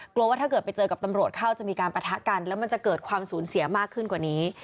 ว่าถ้าเกิดไปเจอกับตำรวจเข้าจะมีการปะทะกันแล้วมันจะเกิดความสูญเสียมากขึ้นกว่านี้